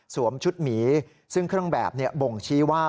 ชุดหมีซึ่งเครื่องแบบบ่งชี้ว่า